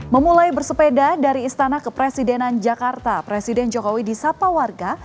memulai bersepeda dari istana kepresidenan jakarta presiden jokowi disapa warga